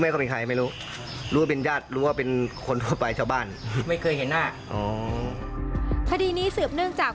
ขอขอขอขอขอขอขอขอขอขอขอขอขอขอขอขอขอขอขอขอขอขอ